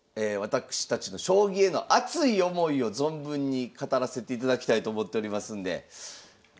私たちの将棋への熱い思いを存分に語らせていただきたいと思っておりますんで。